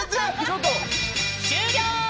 終了！